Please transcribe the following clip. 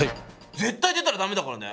絶対出たらダメだからね。